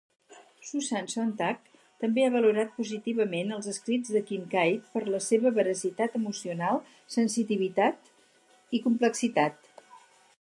Susan Sontag també ha valorat positivament els escrits de Kincaid per la seva "veracitat emocional", sensitivitat i complexitat.